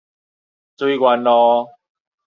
水源路